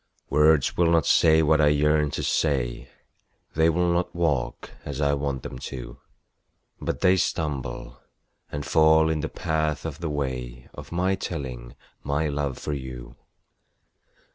Words will not say what I yearn to say They will not walk as I want them to, But they stumble and fall in the path of the way Of my telling my love for you.